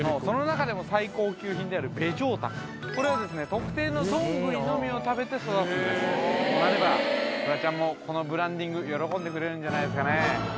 特定のどんぐりのみを食べて育つんですとなればフワちゃんもこのブランディング喜んでくれるんじゃないですかね